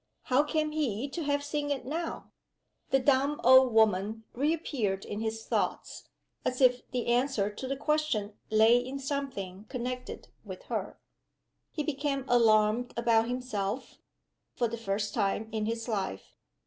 How came he to have seen it now? The dumb old woman reappeared in his thoughts as if the answer to the question lay in something connected with her. He became alarmed about himself, for the first time in his life.